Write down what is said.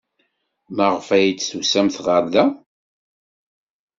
Maɣef ay d-tusamt ɣer da?